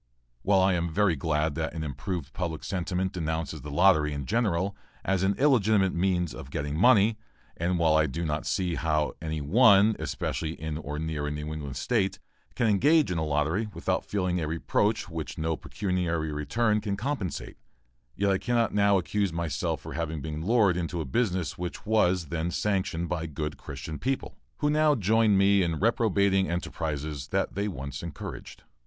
While I am very glad that an improved public sentiment denounces the lottery in general as an illegitimate means of getting money, and while I do not see how any one, especially in or near a New England State, can engage in a lottery without feeling a reproach which no pecuniary return can compensate; yet I cannot now accuse myself for having been lured into a business which was then sanctioned by good Christian people, who now join with me in reprobating enterprises they once encouraged.